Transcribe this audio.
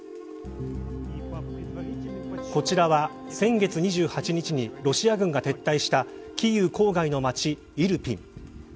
こちらは先月２８日にロシア軍が撤退したキーウ郊外の町イルピン。